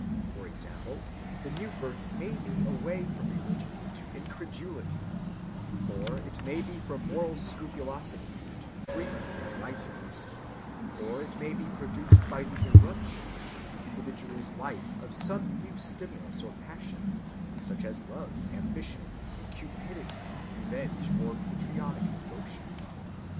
For example, the new birth may be away from religion into incredulity; or it may be from moral scrupulosity into freedom and license; or it may be produced by the irruption into the individual's life of some new stimulus or passion, such as love, ambition, cupidity, revenge, or patriotic devotion.